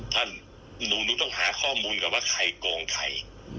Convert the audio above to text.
ท่านหนูต้องหาข้อมูลเหมือนว่าใครโกงใคร